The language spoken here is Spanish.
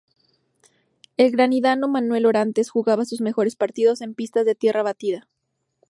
El granadino Manuel Orantes jugaba sus mejores partidos en pistas de tierra batida.